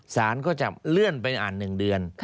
สารก็จะเลื่อนไปอ่าน๑เดือน